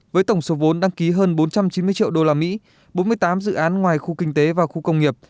với tổng số vốn đăng ký hơn bốn trăm chín mươi triệu usd bốn mươi tám dự án ngoài khu kinh tế và khu công nghiệp